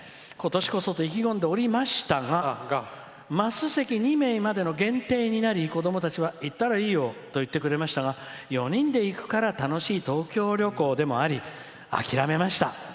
ことしこそはと意気込んでおりましたがマス席２名までの限定になり子どもたちは行ったらいいよって言ってくれましたが４人で行くから楽しい東京旅行でもあり諦めました。